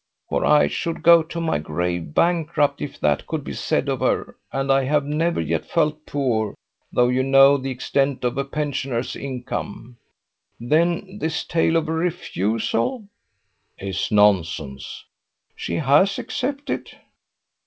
"For I should go to my grave bankrupt if that could be said of her; and I have never yet felt poor, though you know the extent of a pensioner's income. Then this tale of a refusal ...?" "Is nonsense." "She has accepted?"